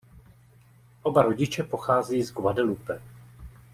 Oba rodiče pochází z Guadeloupe.